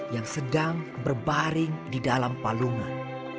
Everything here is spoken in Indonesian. yang sedang berbaring di dalam palungan